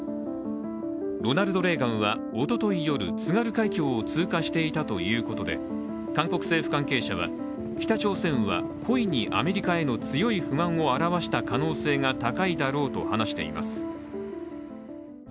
「ロナルド・レーガン」はおととい夜、津軽海峡を通過していたということで韓国政府関係者は、北朝鮮は故意にアメリカへの強い不満を表した可能性が高いだろうと話しています。